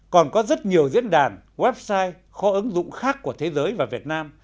còn có rất nhiều diễn đàn website kho ứng dụng khác của thế giới và việt nam